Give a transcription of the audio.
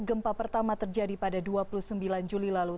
gempa pertama terjadi pada dua puluh sembilan juli lalu